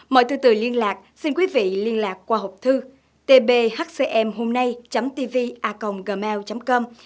mọi thư tử liên lạc xin quý vị liên lạc qua hộp thư tbhcmhômnay tvaconggmail com